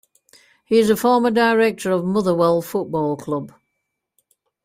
He is a former director of Motherwell Football Club.